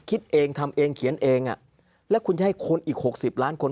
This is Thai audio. คิดเองทำเองเขียนเองแล้วคุณจะให้คนอีก๖๐ล้านคน